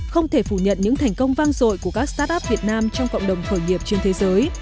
không thể phủ nhận những thành công vang dội của các start up việt nam trong cộng đồng khởi nghiệp trên thế giới